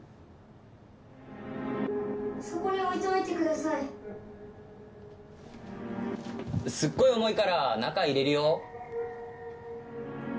・そこに置いておいてください・すっごい重いから中入れるよ？